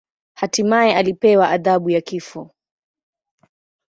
Hatimaye alipewa adhabu ya kifo.